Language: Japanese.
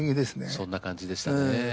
そんな感じでしたね。